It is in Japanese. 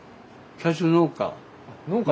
最初農家。